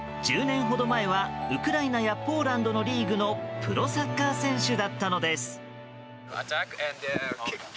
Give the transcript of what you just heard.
１０年ほど前はウクライナやポーランドのリーグのプロサッカー選手だったのです。